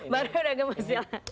baru ada masalah